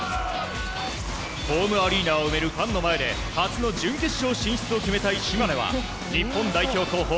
ホームアリーナを埋めるファンの前で初の準決勝進出を決めたい島根は日本代表候補、